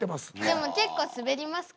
でも結構スベりますか？